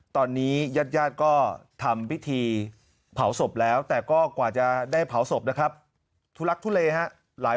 ตอนนี้ญาติย่านก็ทำวิธีเผาศพแล้วแต่ก็กว่าจะได้เผาศพนะครับ